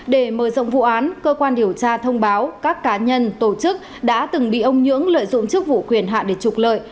để mở rộng vụ án cơ quan điều tra thông báo các cá nhân tổ chức đã từng bị ông nhưỡng lợi dụng chức vụ quyền hạn để trục lợi